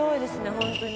本当に。